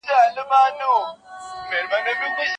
په بریالي او مسلکي څېړونکي کي د ښو صفتونو شتون اړین دی.